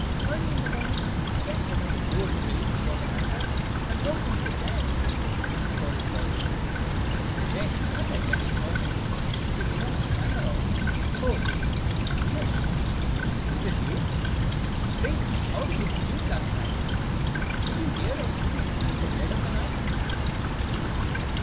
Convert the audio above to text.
Early in the morning, Jack put a bold face upon the matter, and walked into the giant's room to thank him for his lodging. The giant started when he saw him, and he began to stammer out, "Oh, dear me! is it you? Pray how did you sleep last night? Did you hear or see anything in the dead of the night?"